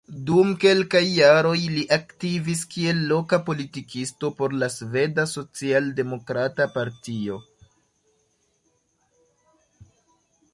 Dum kelkaj jaroj li aktivis kiel loka politikisto por la Sveda Socialdemokrata Partio.